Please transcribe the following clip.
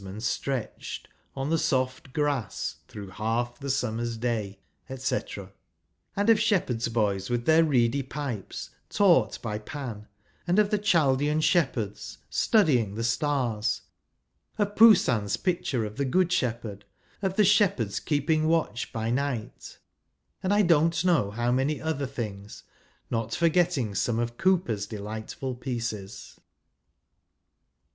an stretched On the soft grass, through half the summer's day," &c. and of shepherd boys with their reedy pipes, taught by Pan, and of the Chaldean shep¬ herds studying the stars ; of Poussin's picture of the Good Shepherd, of the " Shepherds keeping watch by night !" and I don't know ' how m.any other things, not forgetting some of Cooper's delightful pieces.